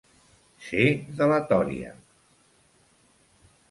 Ser de la tòria.